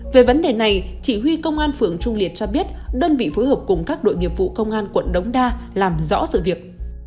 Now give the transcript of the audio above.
về vấn đề này chỉ huy công an phường trung liệt cho biết đơn vị phối hợp cùng các đội nghiệp vụ công an quận đống đa làm rõ sự việc